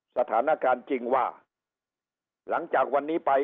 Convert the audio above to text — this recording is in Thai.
สถานการณ์จริงว่าหลังจากวันนี้ไป